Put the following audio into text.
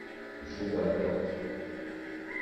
J'ouvre la porte.